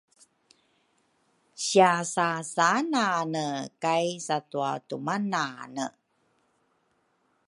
Siasasanane ka satwatumanane